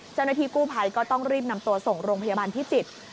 เจ้าหน้าที่กู้ภัยก็ต้องรีบนำตัวส่งโรงพยาบาลพิจิตร